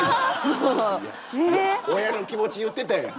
いやいや親の気持ち言ってたやん。